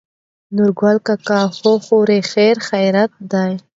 نورګل کاکا: هو خورې خېرخېرت دى.